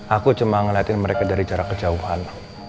aku cuma ngeliatin mereka dari jarak kejauhan